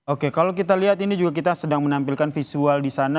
oke kalau kita lihat ini juga kita sedang menampilkan visual di sana